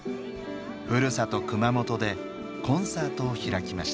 ふるさと熊本でコンサートを開きました。